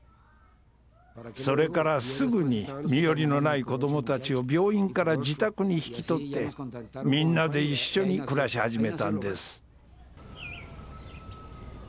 それからすぐに身寄りのない子どもたちを病院から自宅に引き取ってみんなで一緒に暮らし始めたんです。